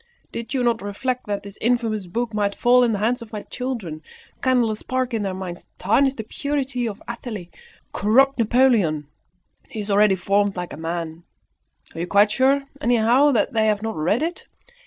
Did not you reflect that this infamous book might fall in the hands of my children, kindle a spark in their minds, tarnish the purity of Athalie, corrupt Napoleon. He is already formed like a man. Are you quite sure, anyhow, that they have not read it?